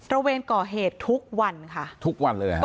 ระเวนก่อเหตุทุกวันค่ะทุกวันเลยค่ะ